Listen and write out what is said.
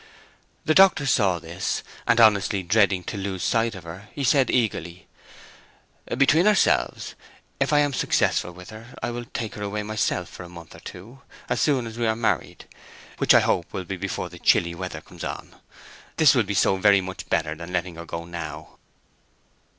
The doctor saw this, and honestly dreading to lose sight of her, he said, eagerly, "Between ourselves, if I am successful with her I will take her away myself for a month or two, as soon as we are married, which I hope will be before the chilly weather comes on. This will be so very much better than letting her go now."